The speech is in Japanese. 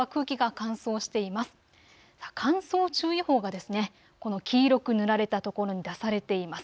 乾燥注意報がこの黄色く塗られた所に出されています。